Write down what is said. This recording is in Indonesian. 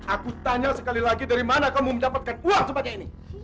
aku tanya sekali lagi dari mana kamu mendapatkan uang sebagai ini